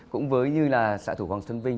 cũng với như là xã thủ hoàng xuân vinh